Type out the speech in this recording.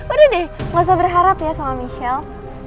udah deh gak usah berharap ya sama michelle